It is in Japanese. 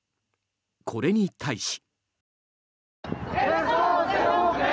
これに対し。